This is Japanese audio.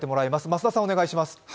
増田さん、お願いします。